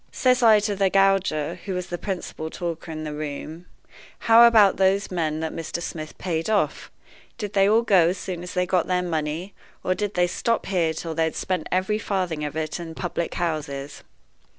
Says I to the gauger, who was the principal talker in the room: 'How about those men that Mr. Smith paid off? Did they all go as soon as they got their money, or did they stop here till they had spent every farthing of it in the public houses?